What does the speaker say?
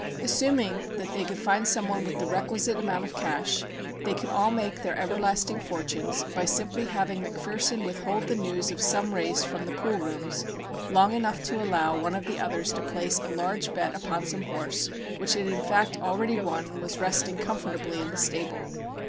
Assuming that they could find some one with the requisite amount of cash, they could all make their everlasting fortunes by simply having McPherson withhold the news of some race from the pool rooms long enough to allow one of the others to place a large bet upon some horse which had in fact already won and was resting comfortably in the stable.